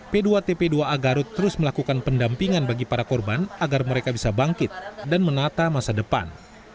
p dua tp dua a garut terus melakukan pendampingan bagi para korban agar mereka bisa bangkit dan menata masa depan